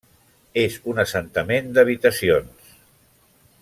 És un assentament d'habitacions.